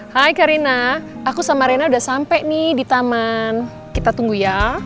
hai karina aku sama rena udah sampe nih di taman kita tunggu ya